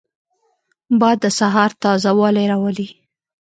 باد د سهار تازه والی راولي